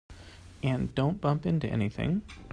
And don't bump into anything.